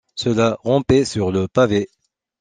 Cela rampait sur le pavé.